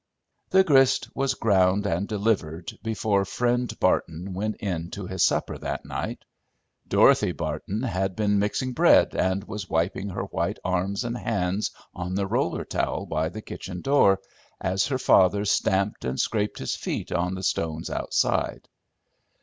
The grist was ground and delivered before Friend Barton went in to his supper that night. Dorothy Barton had been mixing bread, and was wiping her white arms and hands on the roller towel by the kitchen door, as her father stamped and scraped his feet on the stones outside.